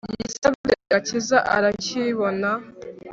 yasabye akazi arakibona